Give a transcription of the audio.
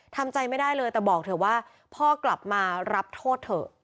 ทำใจไม่ได้เลยแต่บอกเถอะว่าพ่อกลับมารับโทษเถอะ